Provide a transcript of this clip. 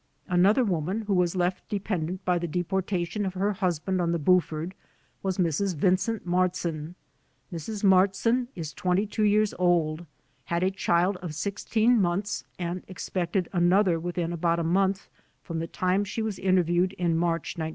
Another woman who was left dependent by the depor tation of her husband on the "Buford" was Mrs. Vincent Martzin. Mrs. Martzin is 22 years old, had a child of sixteen months and expected another within about a month from the time she was interviewed in March, 1920.